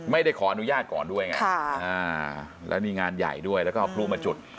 ไม่ได้ขออนุญาตก่อนด้วยไงแล้วมีงานใหญ่ด้วยแล้วก็เอาพลุมาจุด